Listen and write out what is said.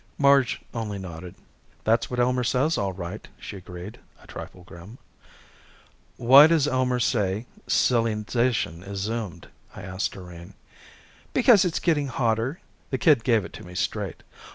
Marge only nodded. "That's what Elmer says, all right," she agreed, a trifle grim. "Why does Elmer say silly zation is doomed?" I asked Doreen. "Because it's getting hotter." The kid gave it to me straight.